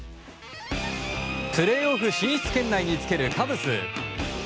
プレーオフ進出圏内につけるカブス。